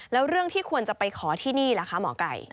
แล้วเรื่องที่ควรจะไปขอที่นี่ล่ะคะหมอไก่